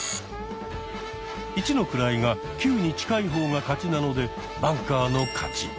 １の位が９に近い方が勝ちなのでバンカーの勝ち。